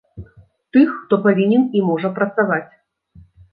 Тых, хто павінен і можа працаваць.